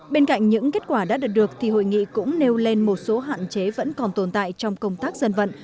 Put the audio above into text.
bên cạnh những kết quả đã được được thì hội nghị cũng nêu lên một số hạn chế vẫn còn tồn tại trong công tác dân vận